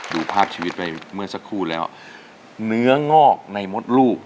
ดูภาพชีวิตไปเมื่อสักครู่แล้วเนื้องอกในมดลูก